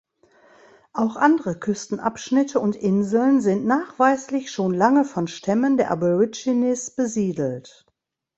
Auch andere Küstenabschnitte und Inseln sind nachweislich schon lange von Stämmen der Aborigines besiedelt.